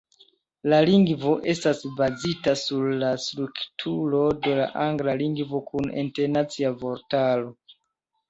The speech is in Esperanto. La lingvo estas bazita sur la strukturo de la angla lingvo kun internacia vortaro.